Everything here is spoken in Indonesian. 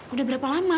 udah berapa lama